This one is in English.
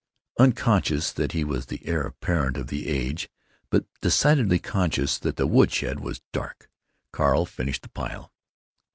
Unconscious that he was the heir apparent of the age, but decidedly conscious that the woodshed was dark, Carl finished the pile.